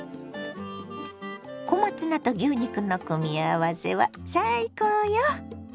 小松菜と牛肉の組み合わせは最高よ。